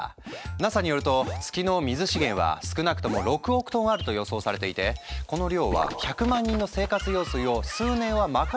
ＮＡＳＡによると月の水資源は少なくとも６億トンあると予想されていてこの量は１００万人の生活用水を数年は賄うことができるんだ。